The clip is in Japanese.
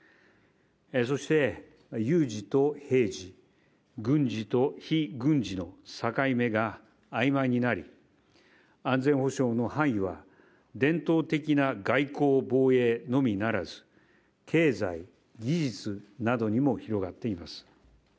そして有事と平時、軍事と非軍事の境目が曖昧になり、安全保障の範囲は伝統的な外交防衛のみならず経済・技術などにも広がっています。